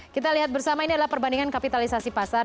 kita lihat bersama ini adalah perbandingan kapitalisasi pasar